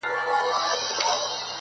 شپږ اووه شپې په ټول ښار کي وه جشنونه-